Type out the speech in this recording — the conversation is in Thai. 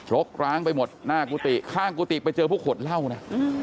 กร้างไปหมดหน้ากุฏิข้างกุฏิไปเจอพวกขวดเหล้านะ